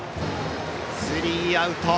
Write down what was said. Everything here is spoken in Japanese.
スリーアウト。